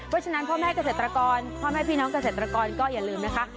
เพราะฉะนั้นพ่อแม่เกษตรกรพ่อแม่พี่น้องเกษตรกรก็อย่าลืมนะคะ